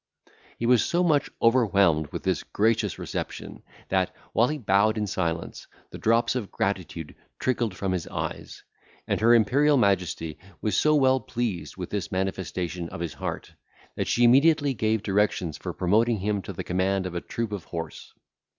He was so much overwhelmed with this gracious reception, that, while he bowed in silence, the drops of gratitude trickled from his eyes; and her imperial majesty was so well pleased with this manifestation of his heart, that she immediately gave directions for promoting him to the command of a troop of horse.